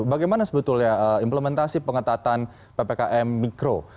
bagaimana sebetulnya implementasi pengetatan ppkm mikro